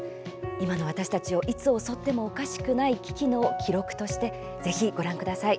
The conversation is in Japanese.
今の私たちを、いつ襲ってもおかしくない危機の記録としてぜひご覧ください。